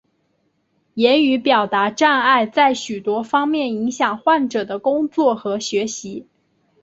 言语表达障碍在许多方面影响患者的工作和学习。